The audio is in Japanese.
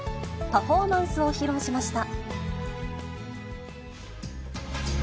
パフォーマンスを披露しました。